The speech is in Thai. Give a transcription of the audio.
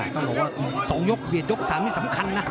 ต้องบอกว่า๒ยกเบียดยก๓นี่สำคัญนะ